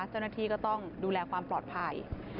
เจ้าหน้าที่ก็ต้องดูแลความปลอดภัย